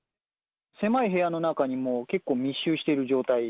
狭い部屋の中に、もう結構密集してる状態。